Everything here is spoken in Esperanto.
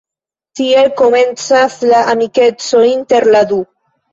Tiel komencas la amikeco inter la du.